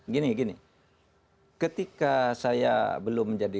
gini gini ketika saya belum menjadi